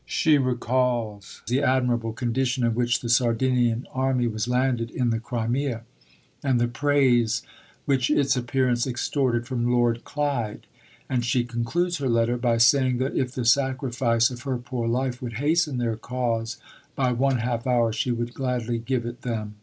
She recalls the admirable condition in which the Sardinian army was landed in the Crimea, and the praise which its appearance extorted from Lord Clyde. And she concludes her letter by saying that if the sacrifice of her poor life would hasten their cause by one half hour, she would gladly give it them.